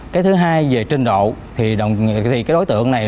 qua đeo bám nhiều ngày chính xác nhiều ngày